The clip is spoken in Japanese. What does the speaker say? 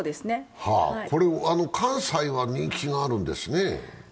関西は人気があるんですね？